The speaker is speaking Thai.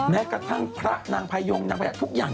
แม้กระทั่งพระนางพยงนางพญาทุกอย่าง